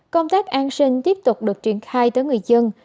công tác an sinh tiếp tục được triển khai tới người dân